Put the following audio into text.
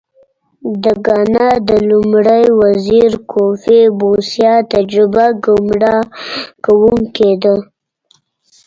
د ګانا د لومړي وزیر کوفي بوسیا تجربه ګمراه کوونکې ده.